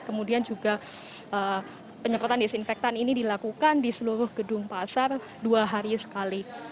kemudian juga penyemprotan disinfektan ini dilakukan di seluruh gedung pasar dua hari sekali